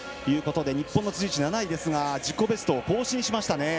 日本の辻内、７位ですが自己ベスト更新しましたね。